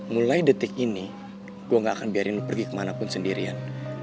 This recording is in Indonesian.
mulai detik ini gue gak akan biarin lo pergi kemana pun sendirian